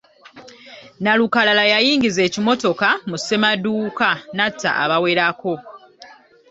Nnalukalala yayingiza ekimotoka mu ssemaduuka n'atta abawerako.